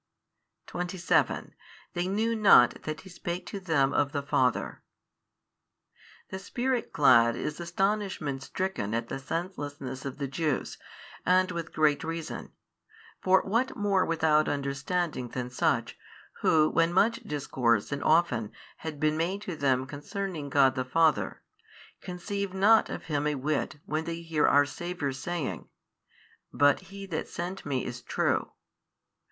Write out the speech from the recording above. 27 They knew not that He spake to them of the Father. The Spirit clad is astonishment stricken at the senselessness of the Jews, and with great reason: for what more without understanding than such, who, when much discourse and often had been made to them concerning God the Father, conceive not of Him a whit when they hear our Saviour saying, But He That sent Me is True?